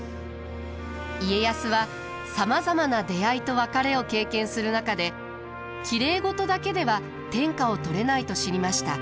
家康はさまざまな出会いと別れを経験する中できれい事だけでは天下を取れないと知りました。